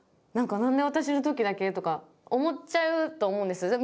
何か何で私の時だけとか思っちゃうと思うんです。